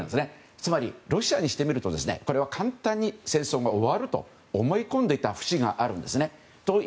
つまりロシアにしてみるとこれは簡単に戦争は終わると思い込んでいた節があるんですね。